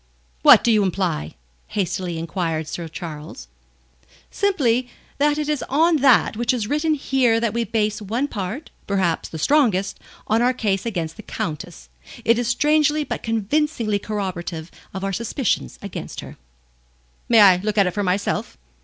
"What do you imply?" hastily inquired Sir Charles. "Simply that it is on that which is written here that we base one part, perhaps the strongest, of our case against the Countess. It is strangely but convincingly corroborative of our suspicions against her." "May I look at it for myself?"